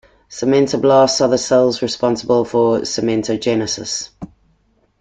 Cementoblasts are the cells responsible for cementogenesis.